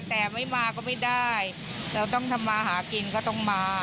แต่ไม่มาก็ไม่ได้เราต้องทำมาหากินก็ต้องมา